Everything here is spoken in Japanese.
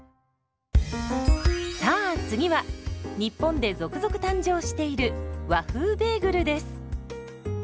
さあ次は日本で続々誕生している「和風ベーグル」です。